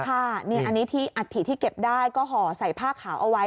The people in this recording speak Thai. อันนี้ที่อัฐิที่เก็บได้ก็ห่อใส่ผ้าขาวเอาไว้